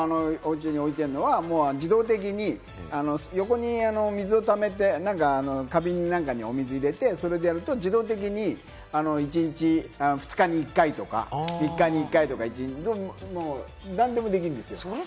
おうちに置いてるのは、自動的に横に水をためて、花瓶の中にお水入れて、それでやると自動的に１日、２日に一回とか、３日に一回とか、何でもできるんですよ。